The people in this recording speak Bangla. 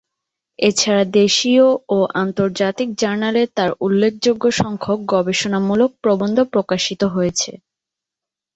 এছাড়া দেশীয় ও আন্তর্জাতিক জার্নালে তার উল্লেখযোগ্য সংখ্যক গবেষণামূলক প্রবন্ধ প্রকাশিত হয়েছে।